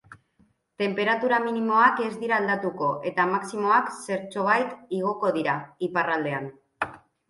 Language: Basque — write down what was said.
Tenperatura minimoak ez dira aldatuko, eta maximoak zertxobait igoko dira, iparraldean.